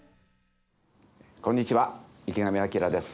こんにちは池上彰です。